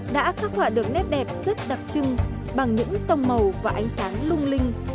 đã khắc họa được nét đẹp rất đặc trưng bằng những tông màu và ánh sáng lung linh